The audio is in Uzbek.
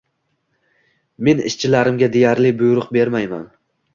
Men ishchilarimga deyarli buyruq bermayman